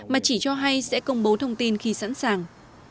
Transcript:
mà chỉ cho hay sẽ công bố thông tin khi sẵn sàng